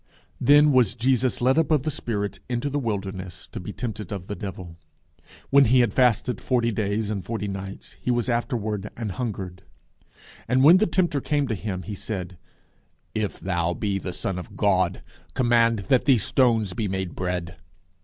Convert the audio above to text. _Then was Jesus led up of the Spirit into the wilderness, to be tempted of the devil. And when he had fasted forty days and forty nights, he was afterward an hungered. And when the tempter came to him, he said, if thou be the Son of God, command that these stones be made bread.